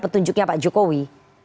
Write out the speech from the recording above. tunjuknya pak jokowi